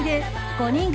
５人組